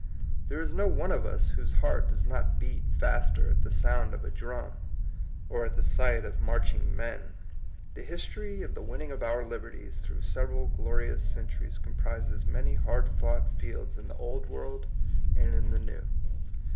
There is no one of us whose heart does not beat faster at the sound of a drum, or at the sight of marching men. The history of the winning of our liberties through sev eral glorious centuries comprises many hard fought fields in the Old World and 84 THE COMING PEOPLE. in the New.